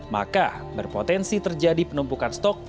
maka berpotensi terjadi penumpukan stok